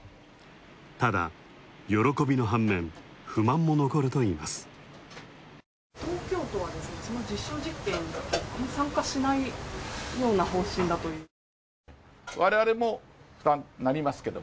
ただ、喜びの反面、不満も残るといいます。